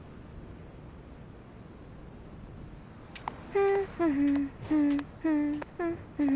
「ふふふんふんふんふふふん」